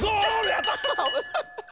やった！